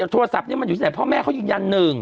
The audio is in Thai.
โทรศัพท์นี่อยู่ใอพ่อแม่เค้ายินยัน๑